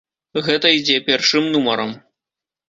Гэта ідзе першым нумарам.